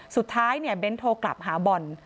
สุดท้ายเบ้นโทรกลับหาบ่อน